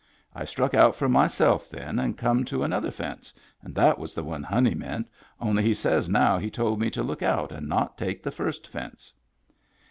I struck out for myself then and come to another fence and that was the one Honey meant, only he says now he told me to look out and not take the first fence.